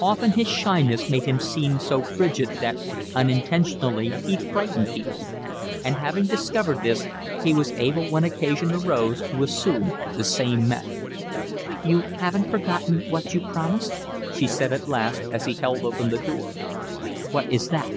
Often his shyness made him seem so frigid that unintentionally he frightened people, and, having discovered this, he was able when occasion arose to assume the same manner. "You haven't forgotten what you promised?" she said at last, as he held open the door. "What is that?"